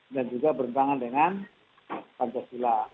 dan juga bertentangan dengan pancasila